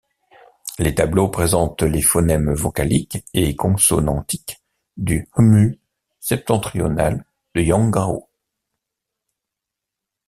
Les tableaux présentent les phonèmes vocaliques et consonantiques du hmu septentrional de Yanghao.